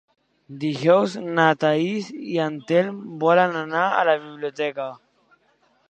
Dijous na Thaís i en Telm volen anar a la biblioteca.